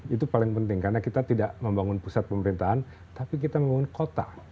itu paling penting karena kita tidak membangun pusat pemerintahan tapi kita membangun kota